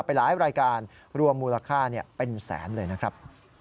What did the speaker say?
ไปหลายรายการรวมมูลค่าเป็นแสนเลยนะครับ